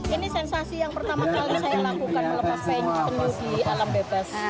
ini sensasi yang pertama kali saya lakukan melepas penyu di alam bebas